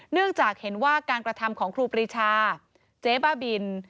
เนื่องจากเห็นว่าการกระทำของครูปรีชาเจ๊บ้าบิน